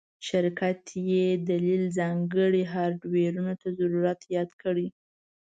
شرکت یی دلیل ځانګړو هارډویرونو ته ضرورت یاد کړی